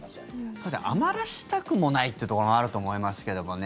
ただ、余らせたくもないってところがあると思いますけどもね。